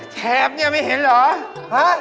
ชาวนี่ไม่เห็นเหรอ